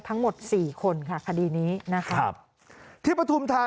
ทั้งหมด๔คนค่ะคดีนี้นะครับ